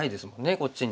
こっちに。